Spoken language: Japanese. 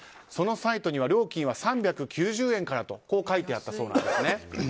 そのサイトには料金は３９０円からと書いてあったそうなんですね。